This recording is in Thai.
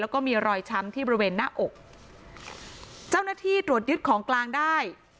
แล้วก็มีรอยช้ำที่บริเวณหน้าอกเจ้าหน้าที่ตรวจยึดของกลางได้